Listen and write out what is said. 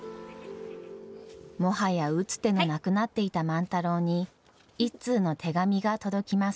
もはや打つ手のなくなっていた万太郎に一通の手紙が届きます。